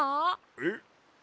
えっ？